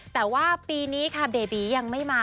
แต่ว่าปีนี้ค่ะเบบียังไม่มา